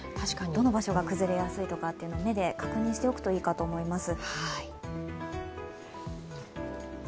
どの場所が崩れやすいというのを目で確認しておくといいと思います。